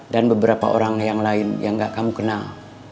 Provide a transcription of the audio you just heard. dan beberapa orang yang lain yang gak kamu kenal